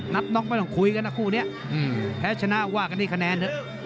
นับน้องไม่ต้องคุยกันนะคู่นี้แพ้ชนะว่ากันได้คะแนน